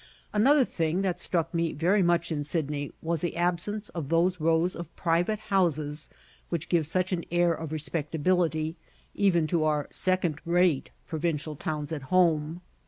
Another thing that struck me very much in Sydney, was the absence of those rows of private houses which give such an air of respectability, even to our second rate provincial towns at home.